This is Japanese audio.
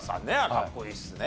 かっこいいですね。